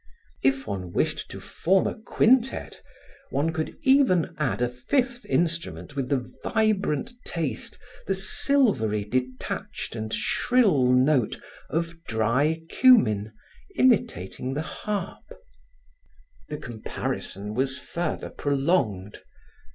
If one wished to form a quintet, one could even add a fifth instrument with the vibrant taste, the silvery detached and shrill note of dry cumin imitating the harp. The comparison was further prolonged.